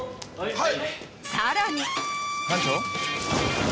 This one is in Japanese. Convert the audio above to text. はい。